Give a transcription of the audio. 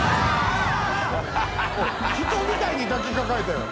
人みたいに抱きかかえたやん。